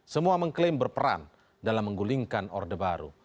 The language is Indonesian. semua mengklaim berperan dalam menggulingkan orde baru